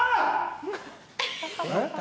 えっ？